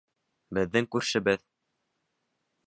— Беҙҙең күршебеҙ.